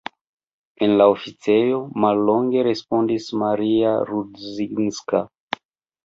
En la oficejo, mallonge respondis Mario Rudzinska.